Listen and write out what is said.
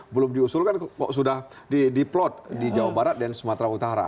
belum diusulkan kok sudah diplot di jawa barat dan sumatera utara